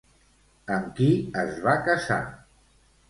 Amb qui es va casar?